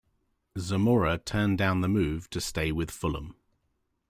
Zamora turned down the move to stay with Fulham.